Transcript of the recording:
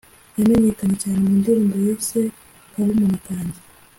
yamenyekanye cyane mu ndirimbo yise “Karumuna kanjye